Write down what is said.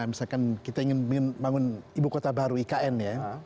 misalkan kita ingin membangun ibu kota baru ikn ya